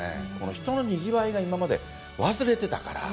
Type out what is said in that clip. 人のにぎわいが今まで忘れてたから。